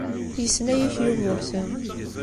Yesla-ak Yugurten.